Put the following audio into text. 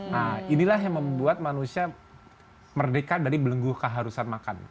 nah inilah yang membuat manusia merdeka dari belenggu keharusan makan